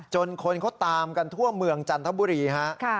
คนเขาตามกันทั่วเมืองจันทบุรีฮะ